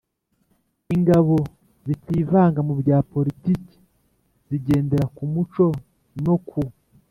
ingabo zitivanga mu bya politiki, zigendera ku muco no ku